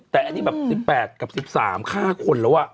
แต่อันนี้แบบ๑๘กับ๑๓ฆ่าคนแล้ว